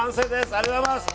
ありがとうございます！